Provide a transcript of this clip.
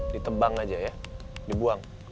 ditebang aja ya dibuang